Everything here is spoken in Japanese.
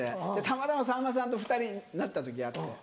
たまたまさんまさんと２人になった時あって。